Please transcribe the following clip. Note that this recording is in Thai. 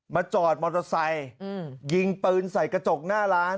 จอดมอเตอร์ไซค์ยิงปืนใส่กระจกหน้าร้าน